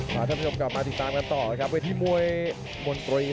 ประทับทนมรหนกลับมาติดตามต่อครับวิทยาหมวยมอนตรี